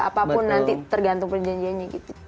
apapun nanti tergantung perjanjiannya gitu